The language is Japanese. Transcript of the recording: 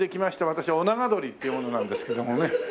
私尾長鶏っていう者なんですけどもね。